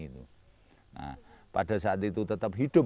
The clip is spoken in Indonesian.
nah pada saat itu tetap hidup